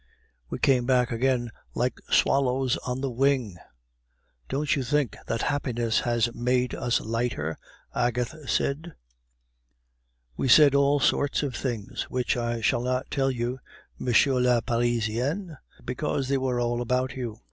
We came back again like swallows on the wing. 'Don't you think that happiness has made us lighter?' Agathe said. We said all sorts of things, which I shall not tell you, Monsieur le Parisien, because they were all about you.